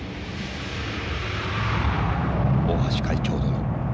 「大橋会長殿。